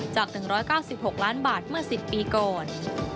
จาก๑๙๖ล้านบาทเมื่อ๑๐ปีก่อน